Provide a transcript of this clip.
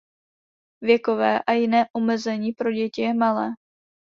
Věkové a jiné omezení pro děti je malé.